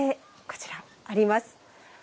こちらあります。